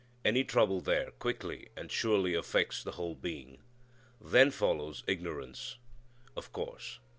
Any trouble there quickly and surely affects the whole being. Then follows "ignorance." Of course.